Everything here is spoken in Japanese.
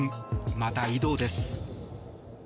また移動です。